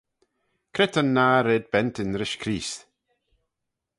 Cre ta'n nah red bentyn rish Creest?